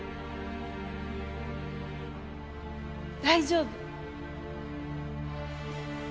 大丈夫。